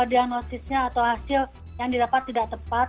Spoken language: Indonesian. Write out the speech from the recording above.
diagnosisnya atau hasil yang didapat tidak tepat